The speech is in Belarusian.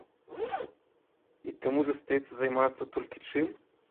І таму застаецца займацца толькі чым?